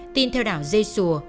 tin theo đảo dê sùa